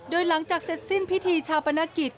โดยหลังจากเสร็จสิ้นพิธีชาปนกิจ